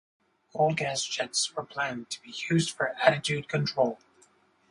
Cold gas jets were planned to be used for attitude control.